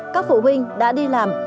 các phụ huynh đã đi làm